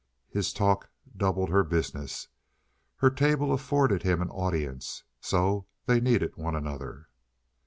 His talk doubled her business. Her table afforded him an audience; so they needed one another.